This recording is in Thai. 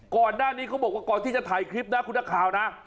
ก่อนหน้านี้เขาบอกว่าก่อนที่จะถ่ายคลิปนะคุณนักข่าวนะ